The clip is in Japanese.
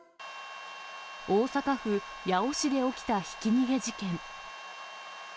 大阪府八尾市で起きたひき逃げ事件。